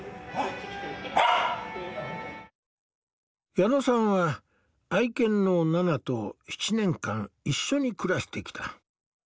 矢野さんは愛犬のナナと７年間一緒に暮らしてきた。